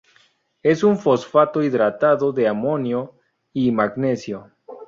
Es un fosfato hidratado de amonio y magnesio.